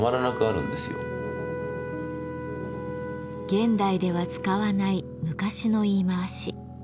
現代では使わない昔の言い回し。